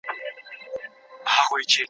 د بوډا پر اوږو غبرګي د لمسیو جنازې دي